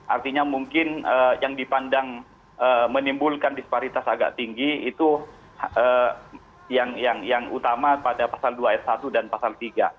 artinya mungkin yang dipandang menimbulkan disparitas agak tinggi itu yang utama pada pasal dua s satu dan pasal tiga